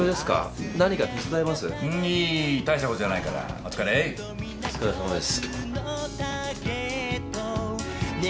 お疲れさまです。